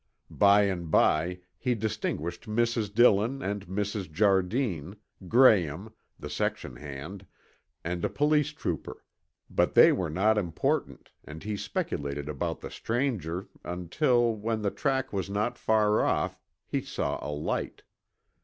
By and by he distinguished Mrs. Dillon and Mrs. Jardine, Graham, the section hand, and a police trooper, but they were not important and he speculated about the stranger, until, when the track was not far off, he saw a light.